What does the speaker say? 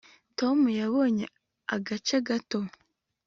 tom yabonye agace gato